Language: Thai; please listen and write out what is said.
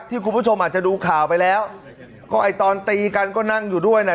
คุณผู้ชมอาจจะดูข่าวไปแล้วก็ไอ้ตอนตีกันก็นั่งอยู่ด้วยน่ะ